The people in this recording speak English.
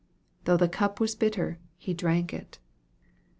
Though the cup was bitter, he drank it.